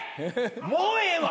もうええわ！